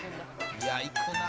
「いやいくな」